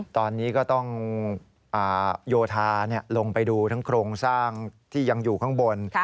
ตอนนี้ก็ต้องโยธาลงไปดูทั้งโครงสร้างที่ยังอยู่ข้างบน